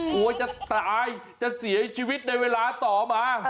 กลัวจะตายจะเสียชีวิตในเวลาต่อมา